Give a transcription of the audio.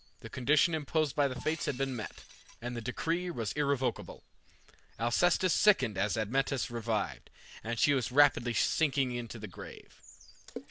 The condition imposed by the Fates had been met, and the decree was irrevocable. Alcestis sickened as Admetus revived, and she was rapidly sinking to the grave.